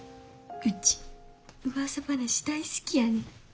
ウチうわさ話大好きやねん。